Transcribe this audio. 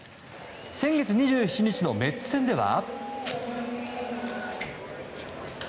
先月２７日のメッツ戦では。